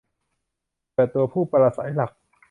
เปิดตัวผู้ปราศรัยหลัก !